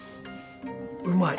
うまい。